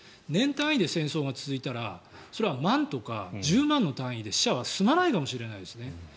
年単位で戦争が続いたらそれは万とか１０万の単位で死者は済まないかもしれないですね。